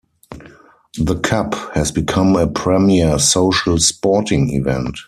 The "Cup" has become a premier social sporting event.